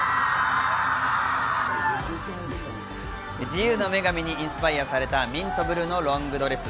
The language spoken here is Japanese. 自由の女神にインスパイアされたミントブルーのロングドレス。